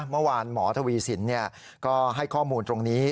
หมอทวีสินก็ให้ข้อมูลตรงนี้